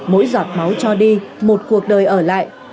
mỗi giọt máu cho đi một cuộc đời ở lại